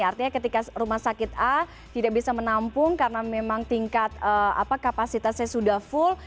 artinya ketika rumah sakit a tidak bisa menampung karena memang tingkat kapasitasnya sudah full